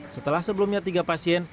setelah sebelumnya tiga pasien